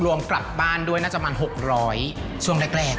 รวมกลับบ้านด้วยน่าจะประมาณ๖๐๐ช่วงแรก